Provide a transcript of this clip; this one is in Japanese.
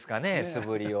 素振りを。